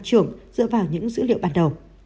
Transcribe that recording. trưởng dựa vào những dữ liệu ban đầu